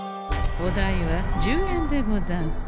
お代は１０円でござんす。